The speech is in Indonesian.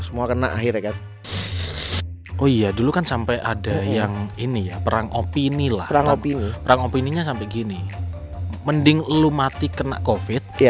mending lu mati kena covid